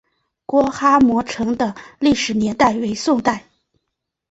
郭蛤蟆城的历史年代为宋代。